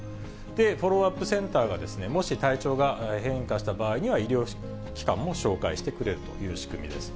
フォローアップセンターがもし体調が変化した場合には、医療機関も紹介してくれるという仕組みです。